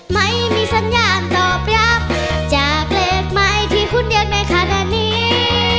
ไม่มีสัญญาณตอบรับจากเลขไม้ที่หุ้นเดียนไม่ขาดอันนี้